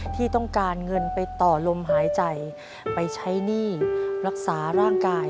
ที่ต้องการเงินไปต่อลมหายใจไปใช้หนี้รักษาร่างกาย